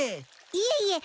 いえいえ。